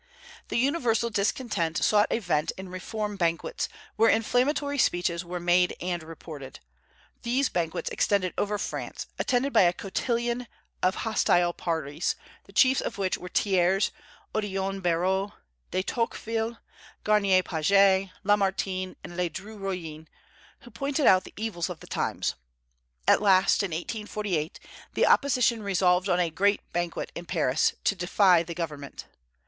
The universal discontent sought a vent in reform banquets, where inflammatory speeches were made and reported. These banquets extended over France, attended by a coalition of hostile parties, the chiefs of which were Thiers, Odillon Barrot, De Tocqueville, Garnier Pagès, Lamartine, and Ledru Rollin, who pointed out the evils of the times. At last, in 1848, the opposition resolved on a great banquet in Paris, to defy the government.